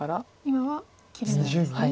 今は切れないんですね。